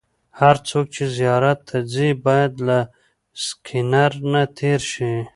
هر څوک چې زیارت ته ځي باید له سکېنر نه تېر شي.